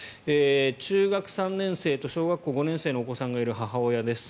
中学３年生と小学５年生のお子さんがいるお母さんです。